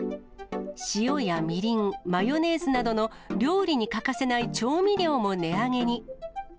塩やみりん、マヨネーズなどの料理に欠かせない調味料も値上げに。